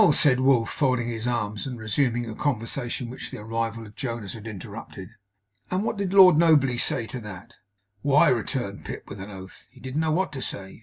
said Wolf, folding his arms and resuming a conversation which the arrival of Jonas had interrupted. 'And what did Lord Nobley say to that?' 'Why,' returned Pip, with an oath. 'He didn't know what to say.